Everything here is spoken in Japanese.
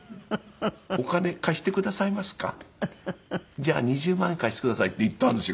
「じゃあ２０万円貸してください」って行ったんですよ